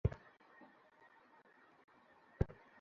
আগামী নভেম্বর মাসের শেষের দিক থেকে শুটিং শুরু হওয়ার কথা রয়েছে।